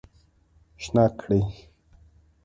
شنه کړی